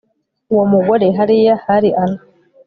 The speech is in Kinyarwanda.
uwo mugore hariya hari ana